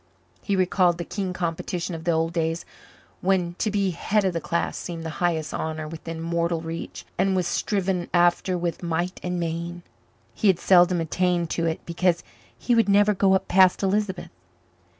He recalled the keen competition of the old days when to be "head of the class" seemed the highest honour within mortal reach, and was striven after with might and main. He had seldom attained to it because he would never "go up past" Lisbeth.